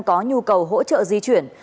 có nhu cầu hỗ trợ di chuyển